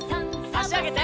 あしあげて。